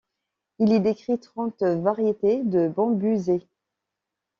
Il y décrit trente variétés de bambusées.